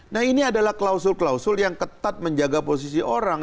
nah ini adalah klausul klausul yang ketat menjaga posisi orang